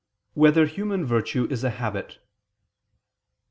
1] Whether Human Virtue Is a Habit?